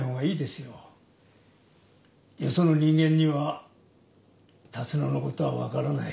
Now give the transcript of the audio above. よその人間には龍野のことは分からない。